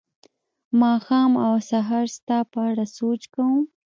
ماښام او سهار ستا په اړه سوچ کوم